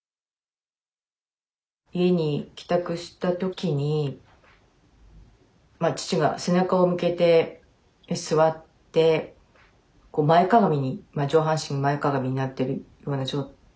家に帰宅した時にまあ父が背中を向けて座って前かがみに上半身前かがみになってるような状態だったんですね。